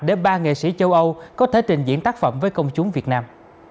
để ba nghệ sĩ châu âu có thể trình diễn tác phẩm với công chúng việt nam